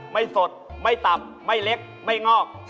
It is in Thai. ไม่สดไม่ต่ำไม่เล็กไม่งอก